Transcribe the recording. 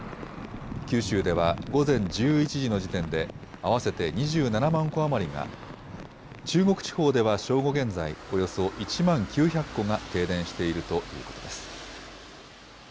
九州では午前１１時の時点で、合わせて２７万戸余りが、中国地方では正午現在、およそ１万９００戸が停電しているということです。